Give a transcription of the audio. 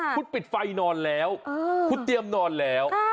คุณปิดไฟนอนแล้วคุณเตรียมนอนแล้ว